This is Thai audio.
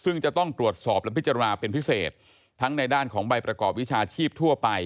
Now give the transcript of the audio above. ซึ่งจะต้องตรวจสอบและพิจารณาเป็นพิเศษทั้งในด้านของใบประกอบวิชาชีพทั่วไป